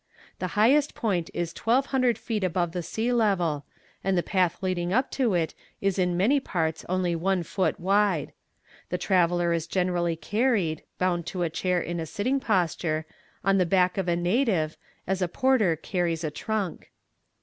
The highest point is 1200 feet above the sea level, and the path leading up to it is in many parts only one foot wide. The traveller is generally carried, bound to a chair in a sitting posture, on the back of a native, as a porter carries a trunk.